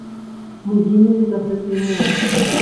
Мы гінулі за гэтую мову.